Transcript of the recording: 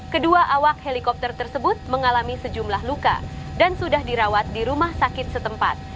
kedua awak helikopter tersebut mengalami sejumlah luka dan sudah dirawat di rumah sakit setempat